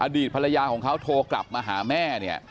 อดีตภรรยาของเขาโทรกลับมาหาแม่เนี่ย